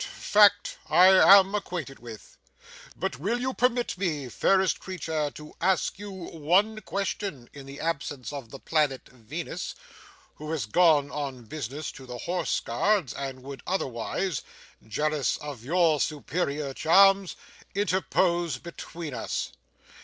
That fact I am acquainted with. But will you permit me, fairest creature, to ask you one question, in the absence of the planet Venus, who has gone on business to the Horse Guards, and would otherwise jealous of your superior charms interpose between us?